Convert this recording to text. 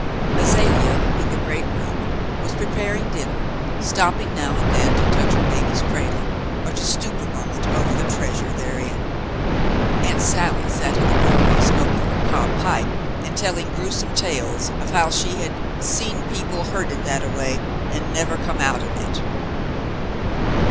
Azalea, in the great room, was preparing dinner, stop ping now and then to touch her baby's cradle, or to stoop a moment over the treasure therein. Aunt Sally sat in the doorway smoking her cob pipe and telling grewsome tales of how she had "seen people hurted that a way and nevah come out en hit."